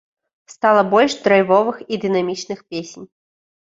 Стала больш драйвовых і дынамічных песень.